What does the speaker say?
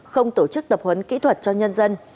không tổ chức tập huấn kỹ thuật cho nhân dân